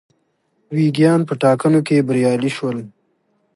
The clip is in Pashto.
ویګیان په ټاکنو کې بریالي شول.